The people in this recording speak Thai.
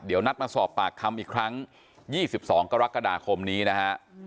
เดี๋ยวนัดมาสอบปากคำอีกครั้ง๒๒กรกฎาคมนี้นะฮะ